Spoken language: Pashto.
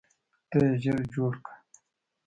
ته یې ژر جوړ کړه.